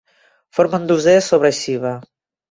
Forma un dosser sobre Shiva.